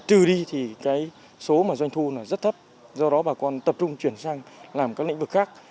trừ đi thì cái số mà doanh thu là rất thấp do đó bà con tập trung chuyển sang làm các lĩnh vực khác